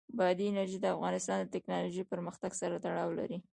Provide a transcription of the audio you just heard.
بادي انرژي د افغانستان د تکنالوژۍ پرمختګ سره تړاو لري.